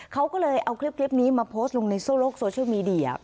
เขาก็เลยเอาคลิปนี้มาโพสต์ลงในโซโลกโซเชียลมีเดีย